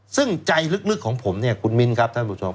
ซึ่งใจลึกของผมเนี่ยคุณมิ้นครับท่านผู้ชม